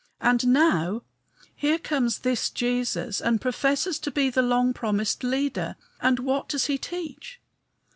And now, here comes this Jesus and professes to be the long promised leader; and what does he teach?